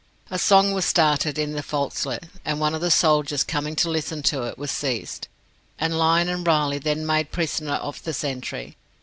A song was started in the folksle, and one of the soldiers, coming to listen to it, was seized, and Lyon and Riley then made prisoner of the sentry.